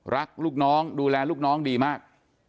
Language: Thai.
รักลูกน้องดูแลลูกน้องดีมาก